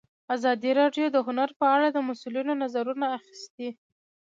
ازادي راډیو د هنر په اړه د مسؤلینو نظرونه اخیستي.